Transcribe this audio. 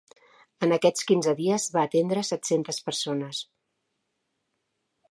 En aquests quinze dies va atendre set-centes persones.